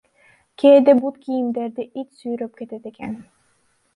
Кээде бут кийимдерди ит сүйрөп кетет экен.